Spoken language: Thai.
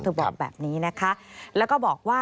เธอบอกแบบนี้นะคะ